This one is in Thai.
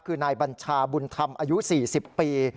คือนายบัญชาบุญธรรมอายุ๔๐ปี